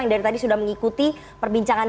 yang dari tadi sudah mengikuti perbincangan